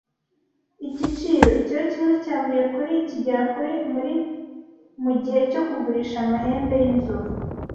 Igiciro ikiro kimwe cyavuye kuri $ kigera ku $ muri mugihe cyo kugurisha amahembe yinzovu